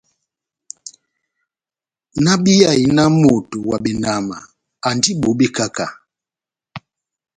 Náhábíyahi náh moto wa benama andi bobé kahá-kahá.